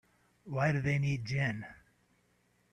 Why do they need gin?